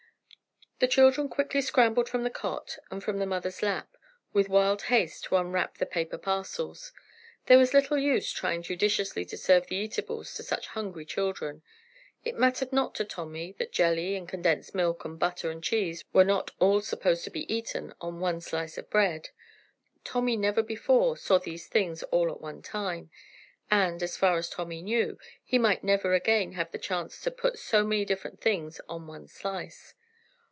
The children quickly scrambled from the cot and from the mother's lap, with wild haste to unwrap the paper parcels. There was little use trying judiciously to serve the eatables to such hungry children. It mattered not to Tommy that jelly and condensed milk and butter and cheese were not all supposed to be eaten on one slice of bread. Tommy never before saw these things all at one time, and, as far as Tommy knew, he might never again have the chance to put so many different things on one slice.